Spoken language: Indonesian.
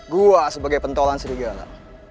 gue sebagai pentolan serigala